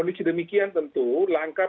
kondisi demikian tentu langkah